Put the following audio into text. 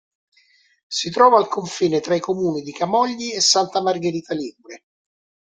Si trova al confine tra i comuni di Camogli e Santa Margherita Ligure.